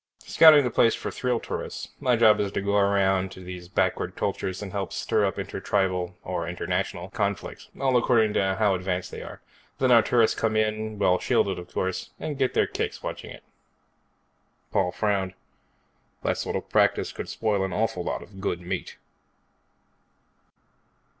"Scouting the place for thrill tourists. My job is to go around to these backward cultures and help stir up inter tribal, or international, conflicts all according to how advanced they are. Then our tourists come in well shielded, of course and get their kicks watching it." Paul frowned. "That sort of practice could spoil an awful lot of good meat."